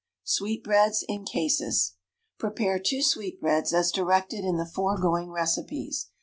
Sweetbreads in Cases. Prepare two sweetbreads as directed in the foregoing recipes.